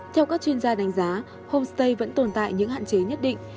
theo các chuyên gia đánh giá homestay vẫn tồn tại những hạn chế nhất định